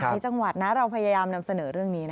ในจังหวัดนะเราพยายามนำเสนอเรื่องนี้นะ